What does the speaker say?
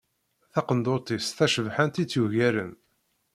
Taqendur-is tacebḥant i tt-yugaren.